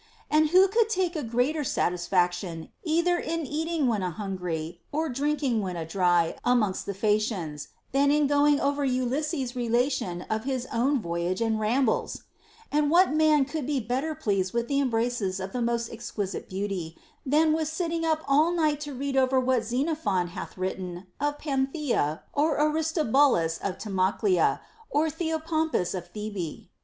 And who could take greater sat isfaction either in eating when a hungry or drinking when a dry amongst the Phaeacians, than in going over Ulysses's relation of his own voyage and rambles 1 And what man could be better pleased with the embraces of the most exquisite beauty, than with sitting up all night to read over what Xenophon hath written of Panthea, or Aristo bulus of Timoclea, or Theopompus of Thebe % 11.